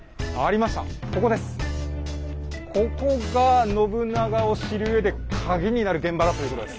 ここが信長を知るうえでカギになる現場だということです。